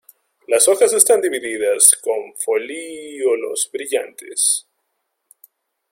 Las hojas están divididas con folíolos brillantes.